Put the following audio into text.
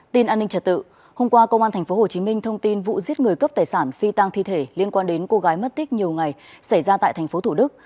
tin an ninh trật tự hôm qua công an tp hcm thông tin vụ giết người cướp tài sản phi tăng thi thể liên quan đến cô gái mất tích nhiều ngày xảy ra tại tp thủ đức